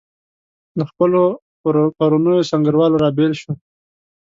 له خپلو پرونیو سنګروالو رابېل شوي.